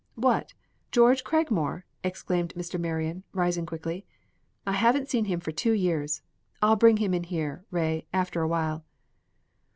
"What, George Cragmore!" exclaimed Mr. Marion, rising quickly. "I haven't seen him for two years. I'll bring him in here, Ray, after awhile."